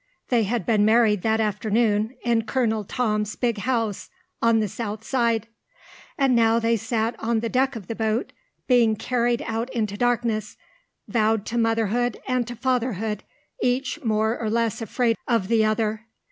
They had been married that afternoon in Colonel Tom's big house on the south side; and now they sat on the deck of the boat, being carried out into darkness, vowed to motherhood and to fatherhood, each more or less afraid of the other.